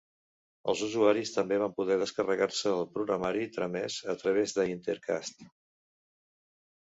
Els usuaris també van poder descarregar-se el programari transmès a través d'Intercast.